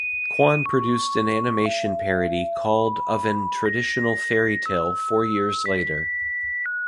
Kwon produced an animation parody called of an traditional fairy tale four years later.